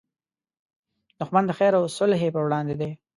دښمن د خیر او صلحې پر وړاندې دی